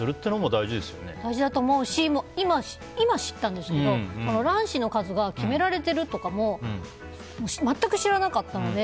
大事だと思うし今、知ったんですけど卵子の数が決められているとかも全く知らなかったので。